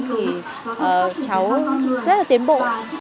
cháu rất là tiến bộ